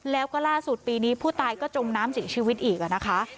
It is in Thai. แล้วก็ล่าสุดปีนี้ผู้ตายก็จมน้ำเสียชีวิตอีกนะคะ